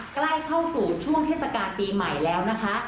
ใกล้เข้าสู่ช่วงเทศกาลปีใหม่แล้วนะคะ